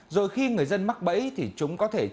rồi khi người dân mắc bẫy thì chúng có thể trả lời